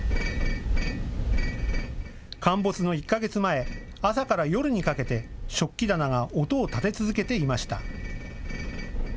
陥没の１か月前、朝から夜にかけて食器棚が音を立て続けていました。